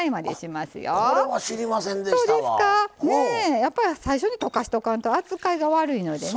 やっぱり最初に溶かしとかんと扱いが悪いのでね。